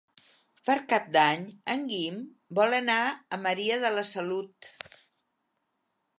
Per Cap d'Any en Guim vol anar a Maria de la Salut.